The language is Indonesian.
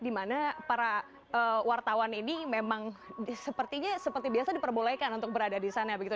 di mana para wartawan ini memang sepertinya seperti biasa diperbolehkan untuk berada di sana begitu